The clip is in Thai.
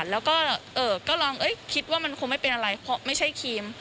แล้วก็ลองคิดว่ามันคงไม่เป็นอะไรเพราะไม่ใช่ครีม